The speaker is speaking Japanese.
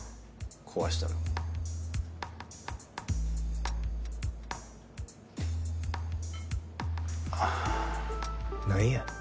壊したのああ何や？